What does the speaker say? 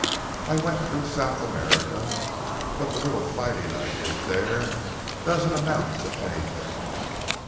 I went through South America, but the little fighting I did there doesn't amount to anything.